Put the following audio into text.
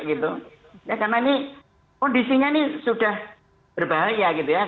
karena ini kondisinya ini sudah berbahaya gitu ya